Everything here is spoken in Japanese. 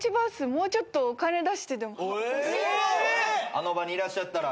あの場にいらっしゃったら。